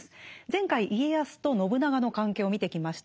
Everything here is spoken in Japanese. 前回家康と信長の関係を見てきました。